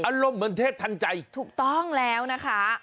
อารมณ์เหมือนเทพทันใจถูกต้องแล้วนะคะ